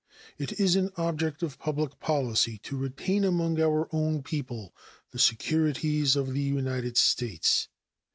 It is an object of public policy to retain among our own people the securities of the United States.